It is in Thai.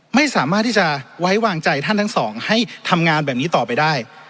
ไม่สามารถที่จะไว้วางใจท่านทั้งสองให้ทำงานแบบนี้ต่อไปได้